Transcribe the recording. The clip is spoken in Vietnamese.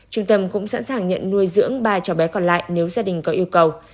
trung tâm cũng sẵn sàng nhận nuôi dưỡng ba cháu bé còn lại nếu gia đình có yêu cầu